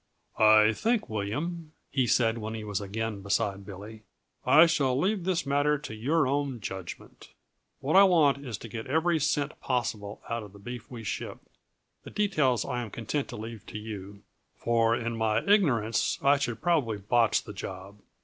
"I think, William," he said, when he was again beside Billy, "I shall leave this matter to your own judgment. What I want is to get every cent possible out of the beef we ship; the details I am content to leave with you, for in my ignorance I should probably botch the job.